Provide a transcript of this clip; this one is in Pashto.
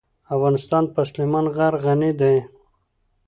افغانستان په سلیمان غر غني دی.